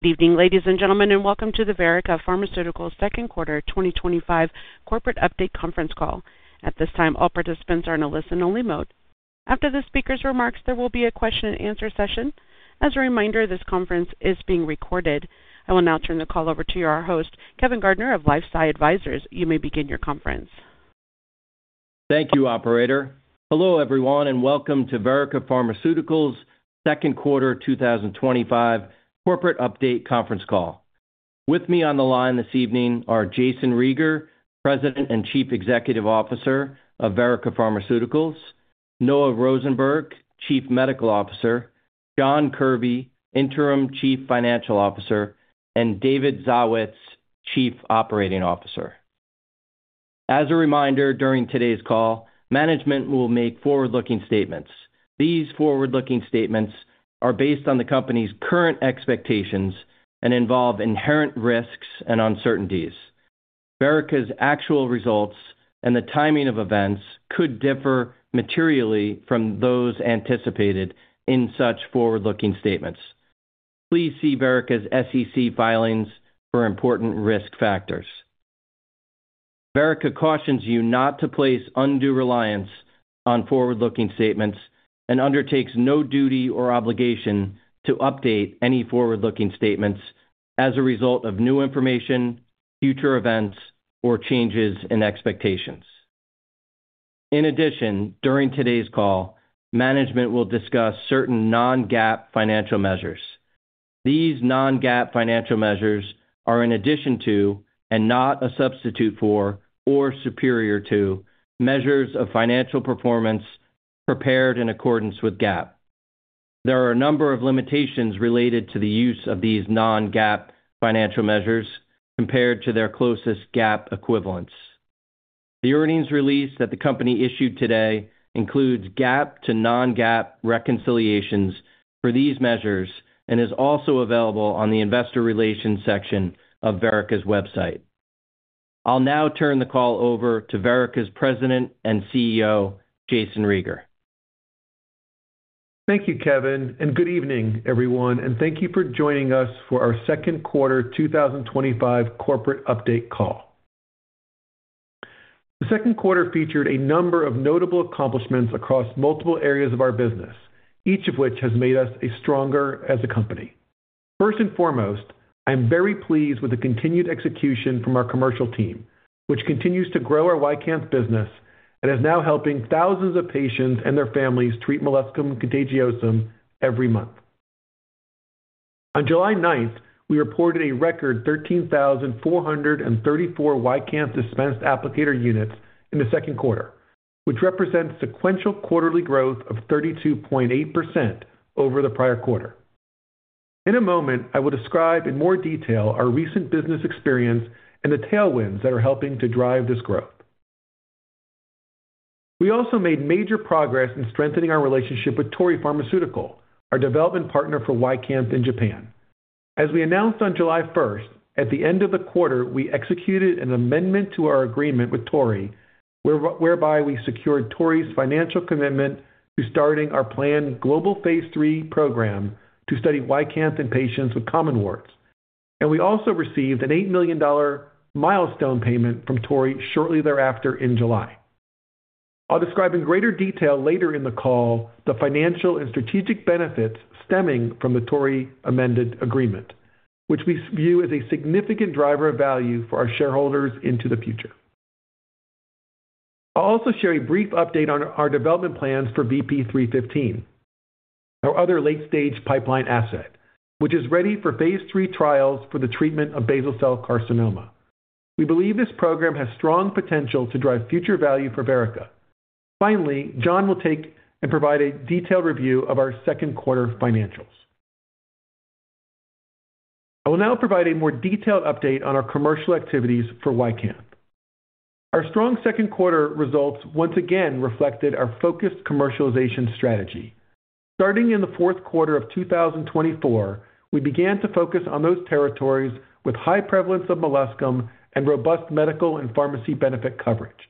Good evening, ladies and gentlemen, and welcome to the Verrica Pharmaceuticals Second Quarter 2025 Corporate Update Conference Call. At this time, all participants are in a listen-only mode. After the speaker's remarks, there will be a question-and-answer session. As a reminder, this conference is being recorded. I will now turn the call over to our host, Kevin Gardner of LifeSci Advisors. You may begin your conference. Thank you, operator. Hello everyone, and welcome to Verrica Pharmaceuticals' Second Quarter 2025 Corporate Update Conference Call. With me on the line this evening are Jayson Rieger, President and Chief Executive Officer of Verrica Pharmaceuticals, Noah Rosenberg, Chief Medical Officer, John Kirby, Interim Chief Financial Officer, and David Zawitz, Chief Operating Officer. As a reminder, during today's call, management will make forward-looking statements. These forward-looking statements are based on the company's current expectations and involve inherent risks and uncertainties. Verrica's actual results and the timing of events could differ materially from those anticipated in such forward-looking statements. Please see Verrica's SEC filings for important risk factors. Verrica cautions you not to place undue reliance on forward-looking statements and undertakes no duty or obligation to update any forward-looking statements as a result of new information, future events, or changes in expectations. In addition, during today's call, management will discuss certain non-GAAP financial measures. These non-GAAP financial measures are, in addition to, and not a substitute for or superior to, measures of financial performance prepared in accordance with GAAP. There are a number of limitations related to the use of these non-GAAP financial measures compared to their closest GAAP equivalents. The earnings release that the company issued today includes GAAP to non-GAAP reconciliations for these measures and is also available on the investor relations section of Verrica's website. I'll now turn the call over to Verrica's President and CEO, Jayson Rieger. Thank you, Kevin, and good evening, everyone, and thank you for joining us for our Second Quarter 2025 Corporate Update Call. The second quarter featured a number of notable accomplishments across multiple areas of our business, each of which has made us stronger as a company. First and foremost, I am very pleased with the continued execution from our commercial team, which continues to grow our YCANTH business and is now helping thousands of patients and their families treat Molluscum contagiosum every month. On July 9th, we reported a record 13,434 YCANTH dispensed applicator units in the second quarter, which represents sequential quarterly growth of 32.8% over the prior quarter. In a moment, I will describe in more detail our recent business experience and the tailwinds that are helping to drive this growth. We also made major progress in strengthening our relationship with Torii Pharmaceutical, our development partner for YCANTH in Japan. As we announced on July 1st, at the end of the quarter, we executed an amendment to our agreement with Torii, whereby we secured Torii's financial commitment to starting our planned global phase III program to study YCANTH in patients with common warts. We also received an $8 million milestone payment from Torii shortly thereafter in July. I'll describe in greater detail later in the call the financial and strategic benefits stemming from the Torii amended agreement, which we view as a significant driver of value for our shareholders into the future. I'll also share a brief update on our development plans for VP-315, our other late-stage pipeline asset, which is ready for phase III trials for the treatment of basal cell carcinoma. We believe this program has strong potential to drive future value for Verrica. Finally, John will take and provide a detailed review of our second quarter financials. I will now provide a more detailed update on our commercial activities for YCANTH. Our strong second quarter results once again reflected our focused commercialization strategy. Starting in the fourth quarter of 2024, we began to focus on those territories with high prevalence of molluscum and robust medical and pharmacy benefit coverage.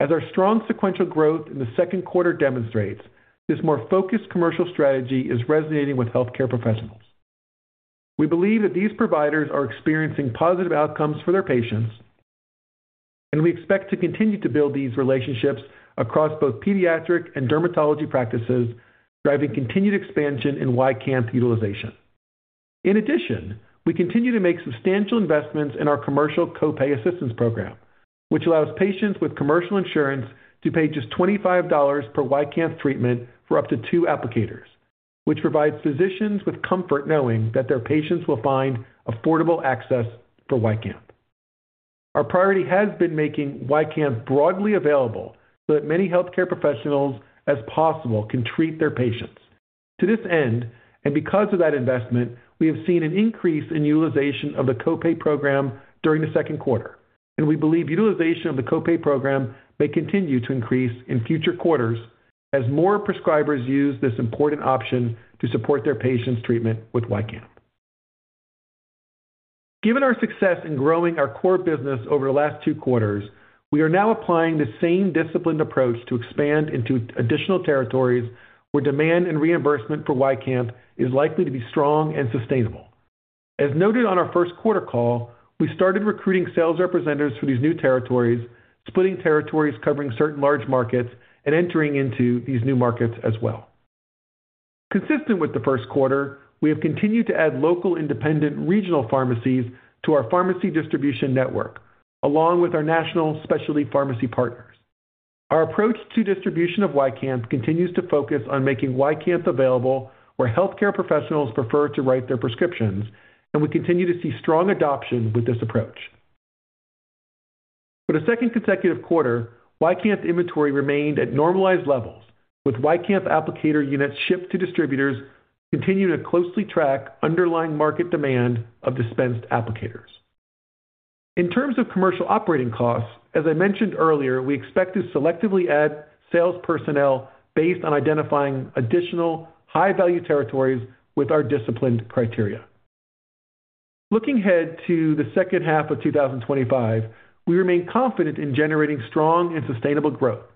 As our strong sequential growth in the second quarter demonstrates, this more focused commercial strategy is resonating with healthcare professionals. We believe that these providers are experiencing positive outcomes for their patients, and we expect to continue to build these relationships across both pediatric and dermatology practices, driving continued expansion in YCANTH utilization. In addition, we continue to make substantial investments in our commercial co-pay assistance program, which allows patients with commercial insurance to pay just $25 per YCANTH treatment for up to two applicators, which provides physicians with comfort knowing that their patients will find affordable access for YCANTH. Our priority has been making YCANTH broadly available so that as many healthcare professionals as possible can treat their patients. To this end, and because of that investment, we have seen an increase in utilization of the co-pay program during the second quarter, and we believe utilization of the co-pay program may continue to increase in future quarters as more prescribers use this important option to support their patients' treatment with YCANTH. Given our success in growing our core business over the last two quarters, we are now applying the same disciplined approach to expand into additional territories where demand and reimbursement for YCANTH is likely to be strong and sustainable. As noted on our first quarter call, we started recruiting sales representatives for these new territories, splitting territories covering certain large markets and entering into these new markets as well. Consistent with the first quarter, we have continued to add local independent regional pharmacies to our pharmacy distribution network, along with our national specialty pharmacy partners. Our approach to distribution of YCANTH continues to focus on making YCANTH available where healthcare professionals prefer to write their prescriptions, and we continue to see strong adoption with this approach. For the second consecutive quarter, YCANTH inventory remained at normalized levels, with YCANTH applicator units shipped to distributors continuing to closely track underlying market demand of dispensed applicators. In terms of commercial operating costs, as I mentioned earlier, we expect to selectively add sales personnel based on identifying additional high-value territories with our disciplined criteria. Looking ahead to the second half of 2025, we remain confident in generating strong and sustainable growth,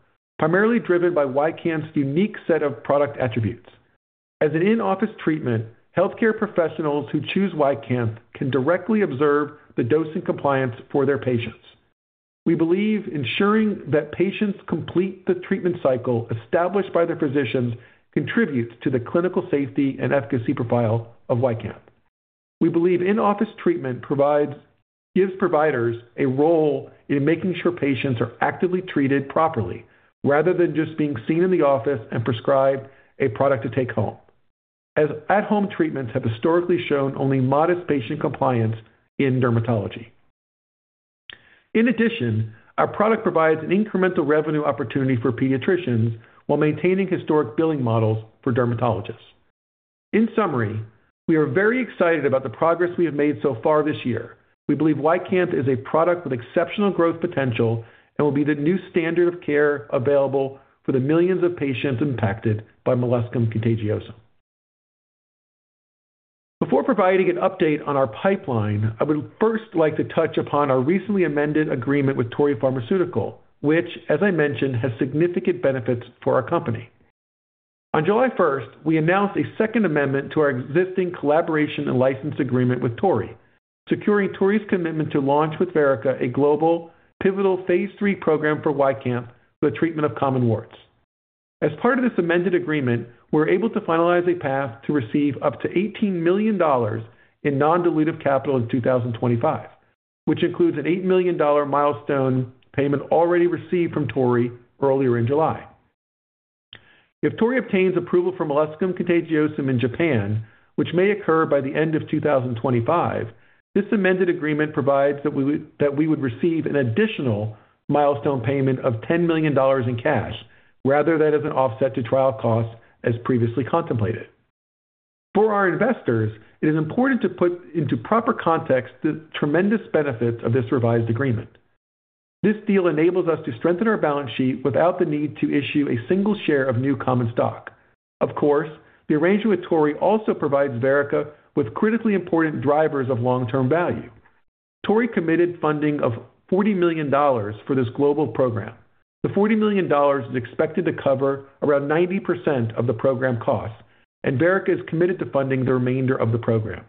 primarily driven by YCANTH's unique set of product attributes. As an in-office treatment, healthcare professionals who choose YCANTH can directly observe the dosing compliance for their patients. We believe ensuring that patients complete the treatment cycle established by their physicians contributes to the clinical safety and efficacy profile of YCANTH. We believe in-office treatment provides providers a role in making sure patients are actively treated properly, rather than just being seen in the office and prescribed a product to take home, as at-home treatments have historically shown only modest patient compliance in dermatology. In addition, our product provides an incremental revenue opportunity for pediatricians while maintaining historic billing models for dermatologists. In summary, we are very excited about the progress we have made so far this year. We believe YCANTH is a product with exceptional growth potential and will be the new standard of care available for the millions of patients impacted by molluscum contagiosum. Before providing an update on our pipeline, I would first like to touch upon our recently amended agreement with Torii Pharmaceutical, which, as I mentioned, has significant benefits for our company. On July 1, we announced a second amendment to our existing collaboration and license agreement with Torii, securing Torii's commitment to launch with Verrica a global, pivotal phase III program for YCANTH for the treatment of common warts. As part of this amended agreement, we're able to finalize a path to receive up to $18 million in non-dilutive capital in 2025, which includes an $8 million milestone payment already received from Torii earlier in July. If Torii obtains approval for Molluscum contagiosum in Japan, which may occur by the end of 2025, this amended agreement provides that we would receive an additional milestone payment of $10 million in cash, rather than as an offset to trial costs as previously contemplated. For our investors, it is important to put into proper context the tremendous benefits of this revised agreement. This deal enables us to strengthen our balance sheet without the need to issue a single share of new common stock. Of course, the arrangement with Torii also provides Verrica with critically important drivers of long-term value. Torii committed funding of $40 million for this global program. The $40 million is expected to cover around 90% of the program costs, and Verrica is committed to funding the remainder of the program.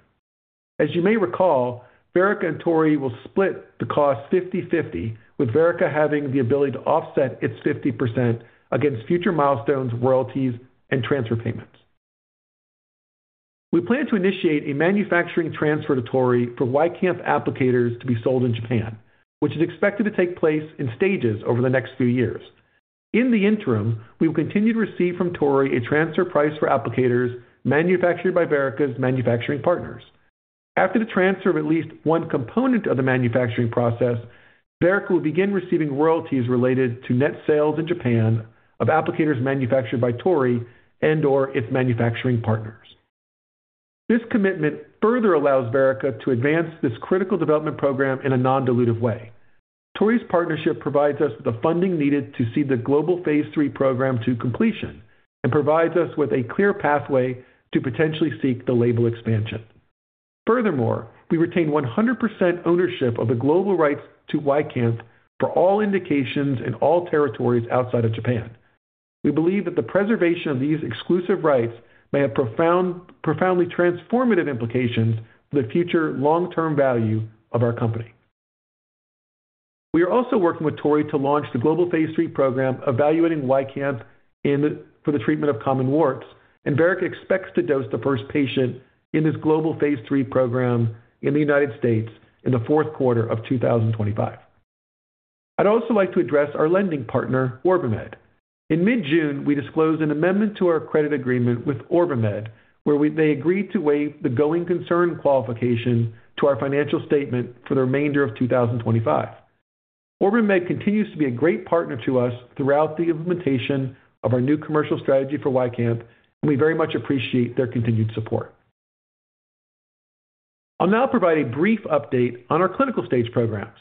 As you may recall, Verrica and Torii will split the costs 50-50, with Verrica having the ability to offset its 50% against future milestones, royalties, and transfer payments. We plan to initiate a manufacturing transfer to Torii for YCANTH applicators to be sold in Japan, which is expected to take place in stages over the next few years. In the interim, we will continue to receive from Torii a transfer price for applicators manufactured by Verrica's manufacturing partners. After the transfer of at least one component of the manufacturing process, Verrica will begin receiving royalties related to net sales in Japan of applicators manufactured by Torii and/or its manufacturing partners. This commitment further allows Verrica to advance this critical development program in a non-dilutive way. Torii's partnership provides us with the funding needed to see the global phase III program to completion and provides us with a clear pathway to potentially seek the label expansion. Furthermore, we retain 100% ownership of the global rights to YCANTH for all indications in all territories outside of Japan. We believe that the preservation of these exclusive rights may have profoundly transformative implications for the future long-term value of our company. We are also working with Torii to launch the global phase III program evaluating YCANTH for the treatment of common warts, and Verrica expects to dose the first patient in this global phase III program in the United States in the fourth quarter of 2025. I'd also like to address our lending partner, OrbiMed. In mid-June, we disclosed an amendment to our credit agreement with OrbiMed, where they agreed to waive the going concern qualification to our financial statement for the remainder of 2025. OrbiMed continues to be a great partner to us throughout the implementation of our new commercial strategy for YCANTH, and we very much appreciate their continued support. I'll now provide a brief update on our clinical stage programs.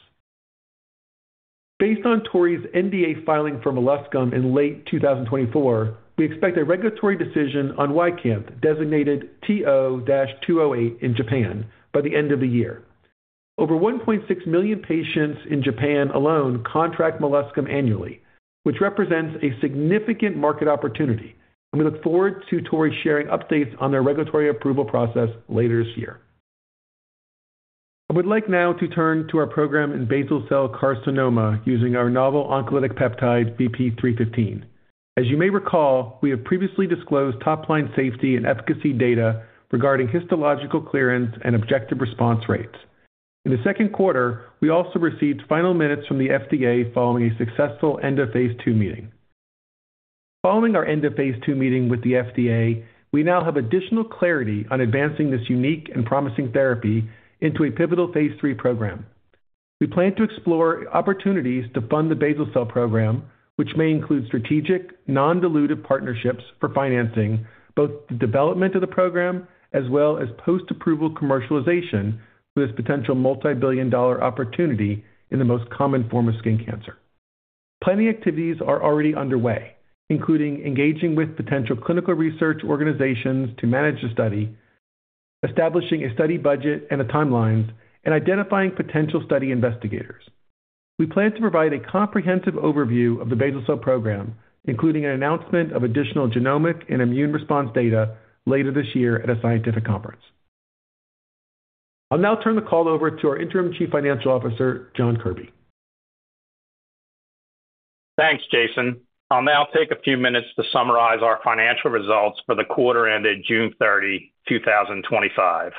Based on Torii's NDA filing for molluscum in late 2024, we expect a regulatory decision on YCANTH designated TO-208 in Japan by the end of the year. Over 1.6 million patients in Japan alone contract molluscum annually, which represents a significant market opportunity, and we look forward to Torii sharing updates on their regulatory approval process later this year. I would like now to turn to our program in basal cell carcinoma using our novel oncolytic peptide, VP-315. As you may recall, we have previously disclosed top-line safety and efficacy data regarding histological clearance and objective response rates. In the second quarter, we also received final minutes from the FDA following a successful end-of-phase II meeting. Following our end-of-phase II meeting with the FDA, we now have additional clarity on advancing this unique and promising therapy into a pivotal phase III program. We plan to explore opportunities to fund the basal cell program, which may include strategic non-dilutive partnerships for financing both the development of the program as well as post-approval commercialization for this potential multi-billion dollar opportunity in the most common form of skin cancer. Planning activities are already underway, including engaging with potential clinical research organizations to manage the study, establishing a study budget and timelines, and identifying potential study investigators. We plan to provide a comprehensive overview of the basal cell program, including an announcement of additional genomic and immune response data later this year at a scientific conference. I'll now turn the call over to our Interim Chief Financial Officer, John Kirby. Thanks, Jason. I'll now take a few minutes to summarize our financial results for the quarter ended June 30, 2025.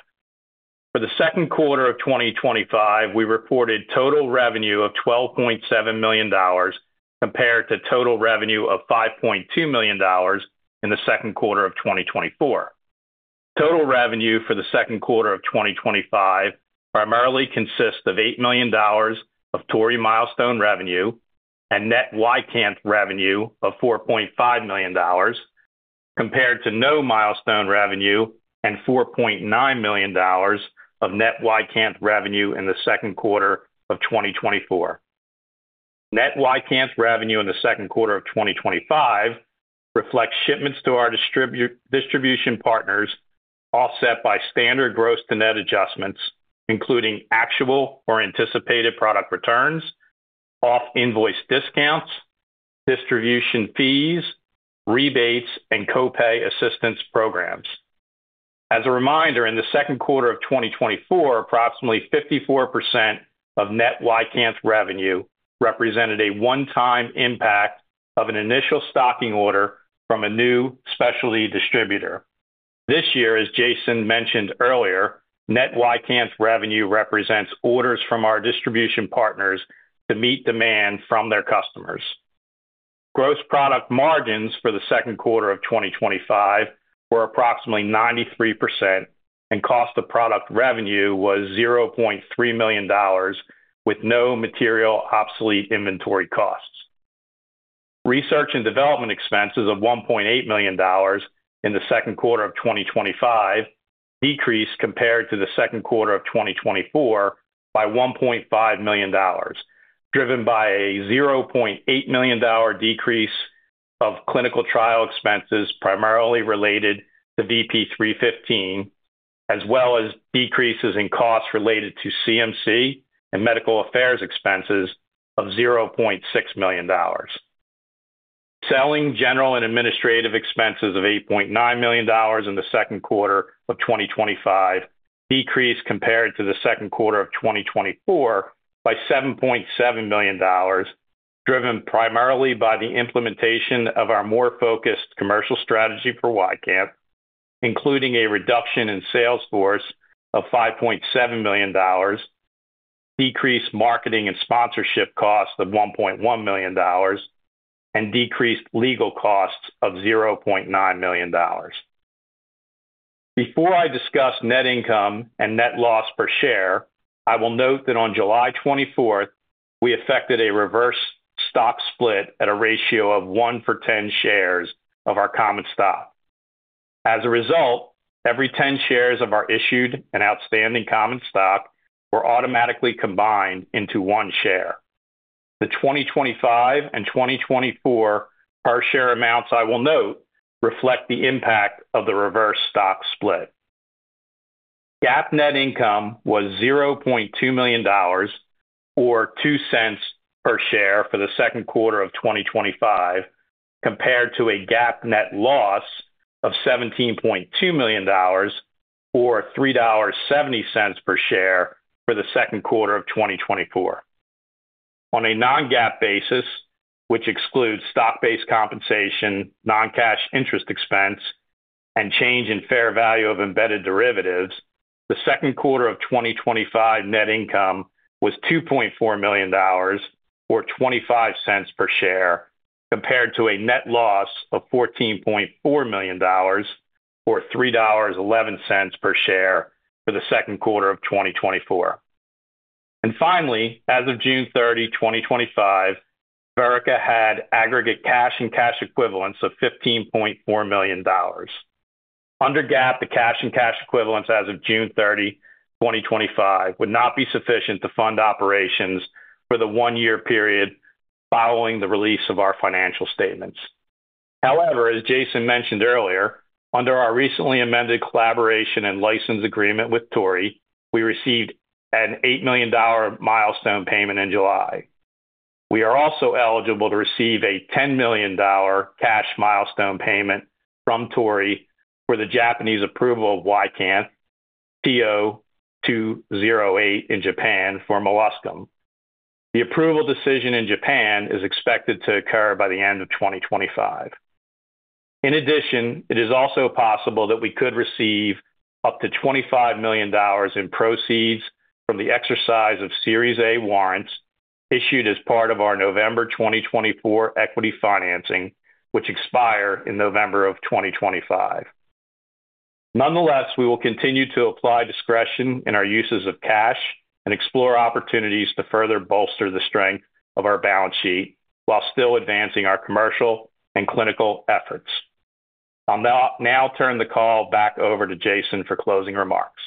For the second quarter of 2025, we reported total revenue of $12.7 million compared to total revenue of $5.2 million in the second quarter of 2024. Total revenue for the second quarter of 2025 primarily consists of $8 million of Torii milestone revenue and net YCANTH revenue of $4.5 million compared to no milestone revenue and $4.9 million of net YCANTH revenue in the second quarter of 2024. Net YCANTH revenue in the second quarter of 2025 reflects shipments to our distribution partners offset by standard gross-to-net adjustments, including actual or anticipated product returns, off-invoice discounts, distribution fees, rebates, and co-pay assistance programs. As a reminder, in the second quarter of 2024, approximately 54% of net YCANTH revenue represented a one-time impact of an initial stocking order from a new specialty distributor. This year, as Jayson mentioned earlier, net YCANTH revenue represents orders from our distribution partners to meet demand from their customers. Gross product margins for the second quarter of 2025 were approximately 93%, and cost of product revenue was $0.3 million with no material obsolete inventory costs. Research and development expenses of $1.8 million in the second quarter of 2025 decreased compared to the second quarter of 2024 by $1.5 million, driven by a $0.8 million decrease of clinical trial expenses primarily related to VP-315, as well as decreases in costs related to CMC and medical affairs expenses of $0.6 million. Selling, general, and administrative expenses of $8.9 million in the second quarter of 2025 decreased compared to the second quarter of 2024 by $7.7 million, driven primarily by the implementation of our more focused commercial strategy for YCANTH, including a reduction in sales force of $5.7 million, decreased marketing and sponsorship costs of $1.1 million, and decreased legal costs of $0.9 million. Before I discuss net income and net loss per share, I will note that on July 24, we effected a reverse stock split at a ratio of one for 10 shares of our common stock. As a result, every 10 shares of our issued and outstanding common stock were automatically combined into one share. The $20.25 and $20.24/share amounts I will note reflect the impact of the reverse stock split. GAAP net income was $0.2 million or $0.02/share for the second quarter of 2025, compared to a GAAP net loss of $17.2 million or $3.70/share for the second quarter of 2024. On a non-GAAP basis, which excludes stock-based compensation, non-cash interest expense, and change in fair value of embedded derivatives, the second quarter of 2025 net income was $2.4 million or $0.25/share, compared to a net loss of $14.4 million or $3.11/share for the second quarter of 2024. Finally, as of June 30, 2025, Verrica Pharmaceuticals had aggregate cash and cash equivalents of $15.4 million. Under GAAP, the cash and cash equivalents as of June 30, 2025 would not be sufficient to fund operations for the one-year period following the release of our financial statements. However, as Jayson mentioned earlier, under our recently amended collaboration and license agreement with Torii Pharmaceutical, we received an $8 million milestone payment in July. We are also eligible to receive a $10 million cash milestone payment from Torii Pharmaceutical for the Japanese approval of YCANTH TO-208 in Japan for Molluscum contagiosum. The approval decision in Japan is expected to occur by the end of 2025. In addition, it is also possible that we could receive up to $25 million in proceeds from the exercise of Series A warrants issued as part of our November 2024 equity financing, which expire in November of 2025. Nonetheless, we will continue to apply discretion in our uses of cash and explore opportunities to further bolster the strength of our balance sheet while still advancing our commercial and clinical efforts. I'll now turn the call back over to Jayson for closing remarks.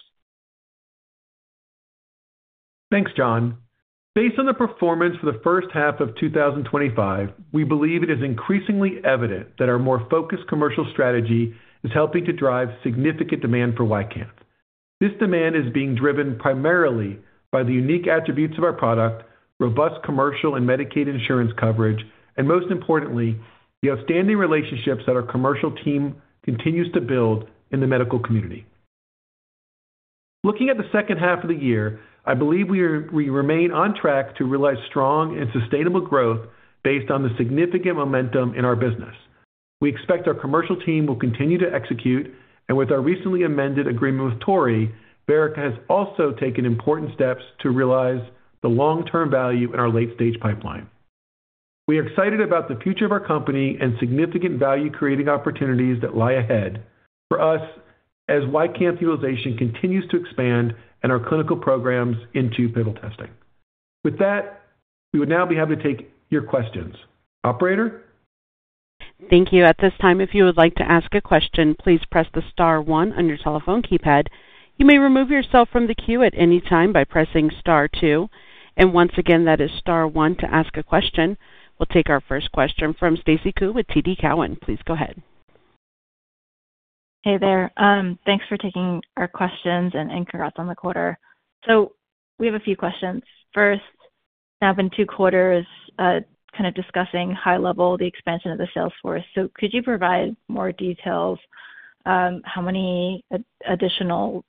Thanks, John. Based on the performance for the first half of 2025, we believe it is increasingly evident that our more focused commercial strategy is helping to drive significant demand for YCANTH. This demand is being driven primarily by the unique attributes of our product, robust commercial and Medicaid insurance coverage, and most importantly, the outstanding relationships that our commercial team continues to build in the medical community. Looking at the second half of the year, I believe we remain on track to realize strong and sustainable growth based on the significant momentum in our business. We expect our commercial team will continue to execute, and with our recently amended agreement with Torii, Verrica has also taken important steps to realize the long-term value in our late-stage pipeline. We are excited about the future of our company and significant value-creating opportunities that lie ahead for us as YCANTH utilization continues to expand and our clinical programs into pivotal testing. With that, we would now be happy to take your questions. Operator? Thank you. At this time, if you would like to ask a question, please press the star one on your telephone keypad. You may remove yourself from the queue at any time by pressing star two, and once again, that is star one to ask a question. We'll take our first question from Stacy Ku with TD Cowen. Please go ahead. Hey there. Thanks for taking our questions and congrats on the quarter. We have a few questions. First, now it's been two quarters, kind of discussing high level the expansion of the sales force. Could you provide more details, how many additional,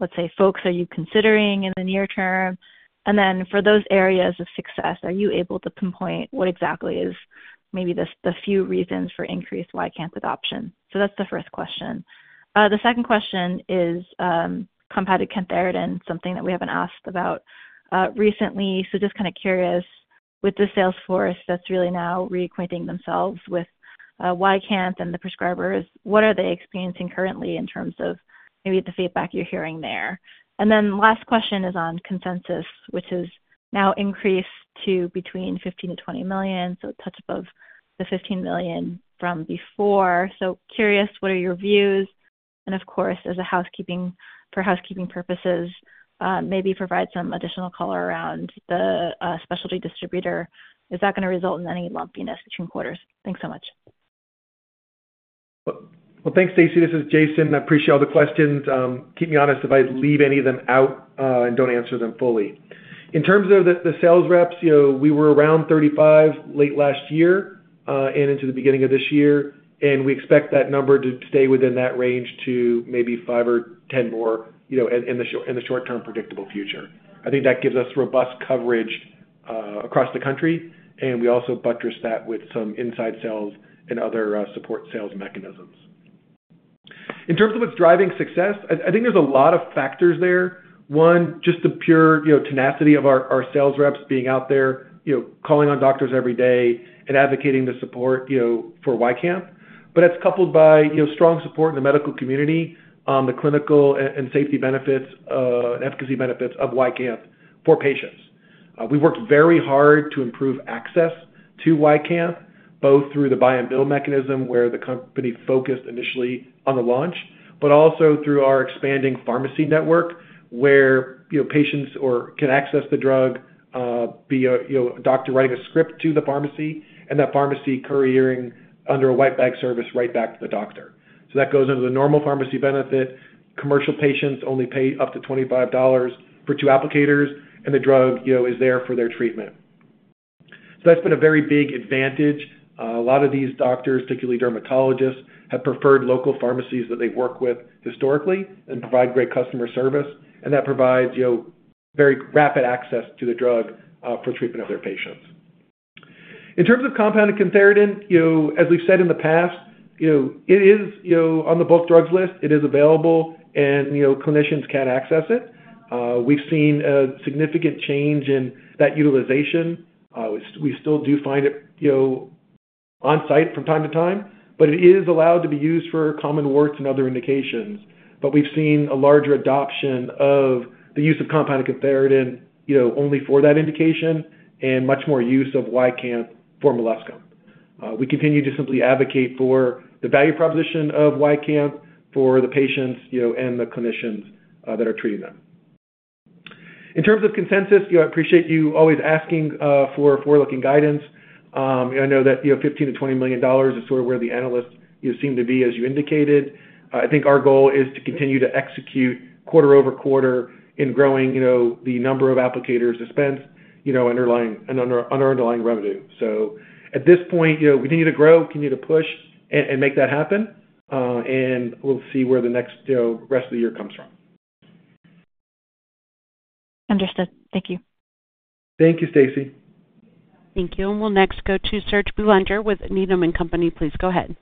let's say folks are you considering in the near term? For those areas of success, are you able to pinpoint what exactly is maybe the few reasons for increased YCANTH adoption? That's the first question. The second question is, compounded cantharidin, something that we haven't asked about recently. Just kind of curious, with the sales force that's really now reacquainting themselves with YCANTH and the prescribers, what are they experiencing currently in terms of maybe the feedback you're hearing there? The last question is on consensus, which has now increased to between $15 million-$20 million, so a touch above the $15 million from before. Curious, what are your views? For housekeeping purposes, maybe provide some additional color around the specialty distributor. Is that going to result in any lumpiness between quarters? Thanks so much. Thanks, Stacy. This is Jayson. I appreciate all the questions. Keep me honest if I leave any of them out and don't answer them fully. In terms of the sales reps, we were around 35 late last year and into the beginning of this year, and we expect that number to stay within that range to maybe five or ten more in the short-term predictable future. I think that gives us robust coverage across the country, and we also buttress that with some inside sales and other support sales mechanisms. In terms of what's driving success, I think there's a lot of factors there. One, just the pure tenacity of our sales reps being out there, calling on doctors every day and advocating the support for YCANTH. It's coupled by strong support in the medical community on the clinical and safety benefits and efficacy benefits of YCANTH for patients. We've worked very hard to improve access to YCANTH, both through the buy and bill mechanism where the company focused initially on the launch, but also through our expanding pharmacy network where patients can access the drug, be a doctor writing a script to the pharmacy and that pharmacy couriering under a white bag service right back to the doctor. That goes into the normal pharmacy benefit. Commercial patients only pay up to $25 for two applicators, and the drug is there for their treatment. That's been a very big advantage. A lot of these doctors, particularly dermatologists, have preferred local pharmacies that they work with historically and provide great customer service, and that provides very rapid access to the drug for treatment of their patients. In terms of compounded Cantharidin, as we've said in the past, it is on the bulk drugs list. It is available, and clinicians can access it. We've seen a significant change in that utilization. We still do find it on site from time to time, but it is allowed to be used for common warts and other indications. We've seen a larger adoption of the use of compounded Cantharidin only for that indication and much more use of YCANTH for molluscum. We continue to simply advocate for the value proposition of YCANTH for the patients and the clinicians that are treating them. In terms of consensus, I appreciate you always asking for forward-looking guidance. I know that $15million-$20 million is sort of where the analysts seem to be, as you indicated. I think our goal is to continue to execute quarter over quarter in growing the number of applicators dispensed, underlying and under underlying revenue. At this point, we need to grow, continue to push, and make that happen. We'll see where the next rest of the year comes from. Understood. Thank you. Thank you, Stacy. Thank you. We'll next go to Serge Boulanger with Needham & Company. Please go ahead.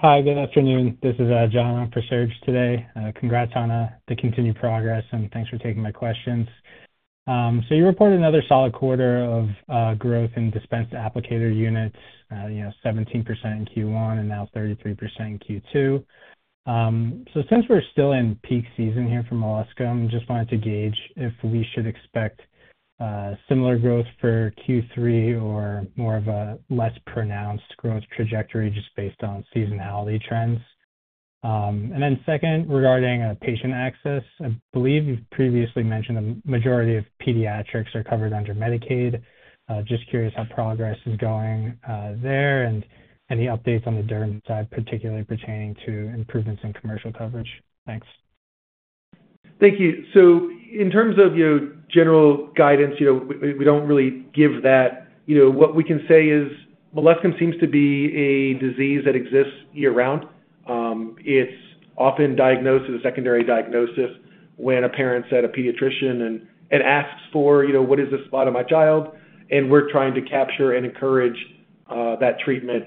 Hi, good afternoon. This is John. I'm for Serge today. Congrats on the continued progress and thanks for taking my questions. You reported another solid quarter of growth in dispensed applicator units, 17% in Q1 and now 33% in Q2. Since we're still in peak season here for molluscum, I just wanted to gauge if we should expect similar growth for Q3 or more of a less pronounced growth trajectory just based on seasonality trends. Second, regarding patient access, I believe you've previously mentioned the majority of pediatrics are covered under Medicaid. Just curious how progress is going there and any updates on the DERM side, particularly pertaining to improvements in commercial coverage. Thanks. Thank you. In terms of general guidance, we don't really give that. What we can say is molluscum seems to be a disease that exists year-round. It's often diagnosed as a secondary diagnosis when a parent is at a pediatrician and asks for what is this spot on my child. We're trying to capture and encourage that treatment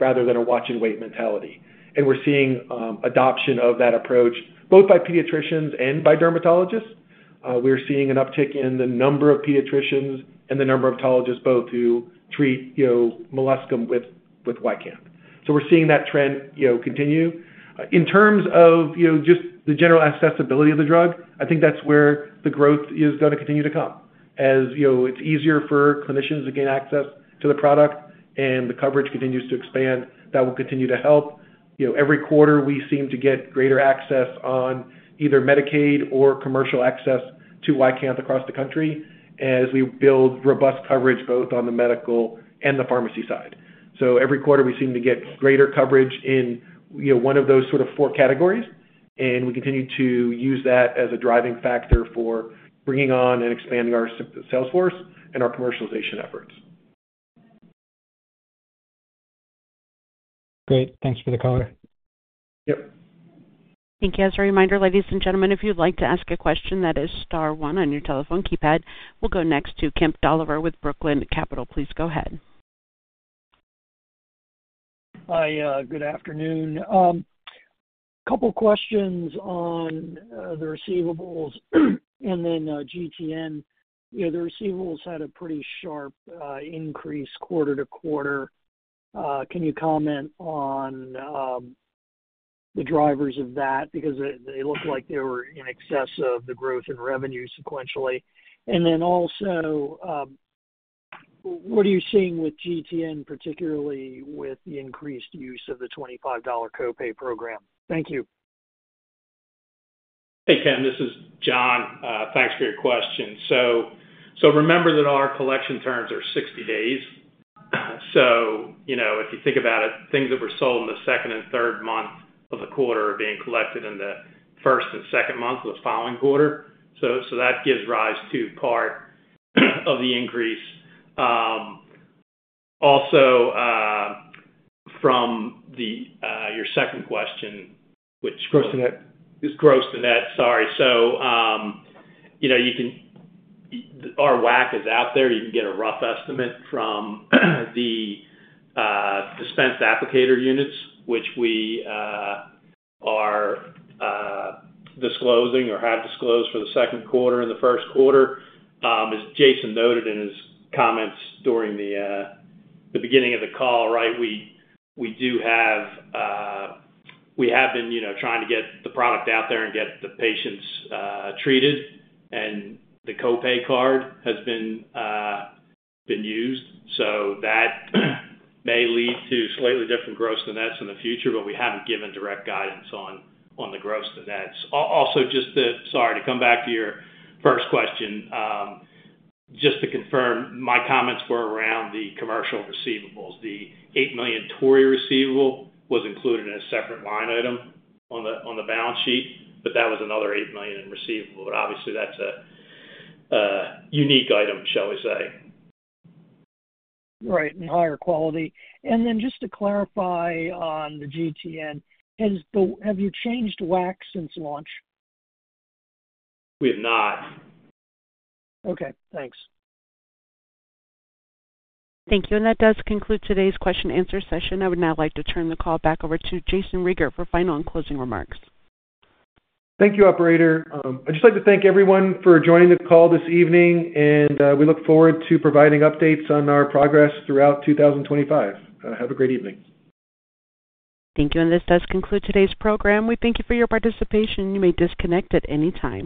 rather than a watch and wait mentality. We're seeing adoption of that approach both by pediatricians and by dermatologists. We're seeing an uptick in the number of pediatricians and the number of dermatologists who treat molluscum with YCANTH. We're seeing that trend continue. In terms of the general accessibility of the drug, I think that's where the growth is going to continue to come. As it's easier for clinicians to gain access to the product and the coverage continues to expand, that will continue to help. Every quarter we seem to get greater access on either Medicaid or commercial access to YCANTH across the country as we build robust coverage both on the medical and the pharmacy side. Every quarter we seem to get greater coverage in one of those four categories. We continue to use that as a driving factor for bringing on and expanding our sales force and our commercialization efforts. Great. Thanks for the color. Yep. Thank you. As a reminder, ladies and gentlemen, if you'd like to ask a question, that is star one on your telephone keypad. We'll go next to Kemp Dolliver with Brookline Capital. Please go ahead. Hi, good afternoon. A couple of questions on the receivables and then GTN. The receivables had a pretty sharp increase quarter-to-quarter. Can you comment on the drivers of that? They look like they were in excess of the growth in revenue sequentially. What are you seeing with GTN, particularly with the increased use of the $25 co-pay program? Thank you. Hey, Kemp. This is John. Thanks for your question. Remember that our collection terms are 60 days. If you think about it, things that were sold in the second and third month of the quarter are being collected in the first and second month of the following quarter. That gives rise to part of the increase. Also, from your second question, which. Gross to net. Gross to net, sorry. You know, our WAC is out there. You can get a rough estimate from the dispensed applicator units, which we are disclosing or have disclosed for the second quarter and the first quarter. As Jayson noted in his comments during the beginning of the call, we have been trying to get the product out there and get the patients treated, and the co-pay card has been used. That may lead to slightly different gross to net in the future, but we haven't given direct guidance on the gross to net. Also, just to come back to your first question, just to confirm, my comments were around the commercial receivables. The $8 million Torii receivable was included in a separate line item on the balance sheet, but that was another $8 million in receivable. Obviously, that's a unique item, shall we say? Right. Higher quality. Just to clarify on the GTN, have you changed WAC since launch? We have not. Okay. Thanks. Thank you. That does conclude today's question-and-answer session. I would now like to turn the call back over to Jayson Rieger for final and closing remarks. Thank you, Operator. I'd just like to thank everyone for joining the call this evening, and we look forward to providing updates on our progress throughout 2025. Have a great evening. Thank you. This does conclude today's program. We thank you for your participation. You may disconnect at any time.